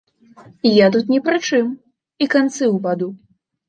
Я тут ні пры чым, і канцы ў ваду.